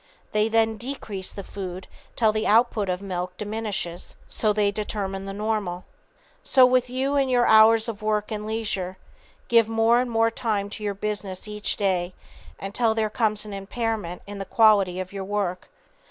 They then decrease the food till the output of milk diminishes. So they determine the normal. So with you and your hours of work and leisure. Give more and more time to your business each day until there comes an impairment in the quality of your work.